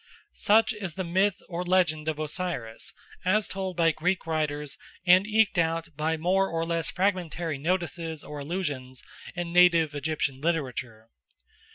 Such is the myth or legend of Osiris, as told by Greek writers and eked out by more or less fragmentary notices or allusions in native Egyptian literature.